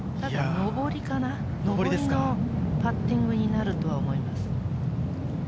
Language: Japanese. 上りのパッティングになると思います。